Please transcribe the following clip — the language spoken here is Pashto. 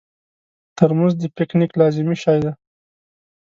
ترموز د پکنیک لازمي شی دی.